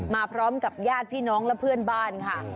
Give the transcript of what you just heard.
มาพร้อมกับญาติพี่น้องและเพื่อนบ้านค่ะ